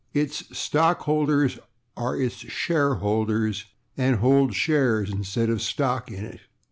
Its stockholders are its /shareholders/, and hold /shares/ instead of /stock/ in it.